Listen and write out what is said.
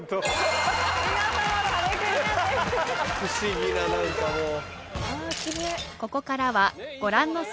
不思議な何かもう。